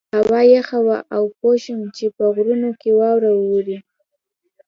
هوا یخه وه او پوه شوم چې په غرونو کې واوره وورې.